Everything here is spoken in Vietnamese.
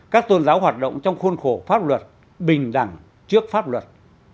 các tôn giáo hoạt động trong khuôn khổ pháp luật bình đẳng trước pháp luật